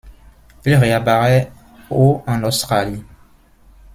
Il réapparaît au en Australie.